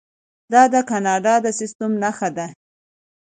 دا د کاناډا د سیستم نښه ده.